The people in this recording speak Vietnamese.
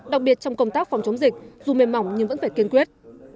đặc biệt trong công tác phòng chống dịch dù mềm mỏng nhưng vẫn phải kiên quyết